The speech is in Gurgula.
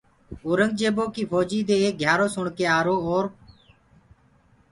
اورنٚگجيبو ڪيٚ ڦوجيٚ دي ايڪ گھيآرو سُڻ ڪي آرو اور